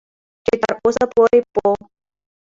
چې تر اوسه پورې په